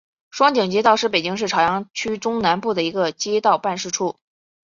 双井街道是北京市朝阳区中南部的一个街道办事处。